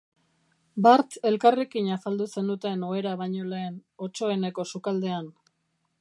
Bart elkarrekin afaldu zenuten ohera baino lehen, Otsoeneko sukaldean.